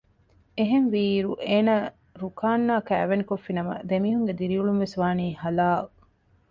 އެހެންވީއިރު އޭނާ ރުކާންއާ ކައިވެނިކޮށްފިނަމަ ދެމީހުންގެ ދިރިއުޅުންވެސް ވާނީ ހަލާއް